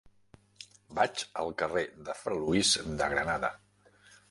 Vaig al carrer de Fra Luis de Granada.